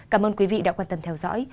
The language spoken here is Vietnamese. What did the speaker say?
cảm ơn quý vị đã quan tâm theo dõi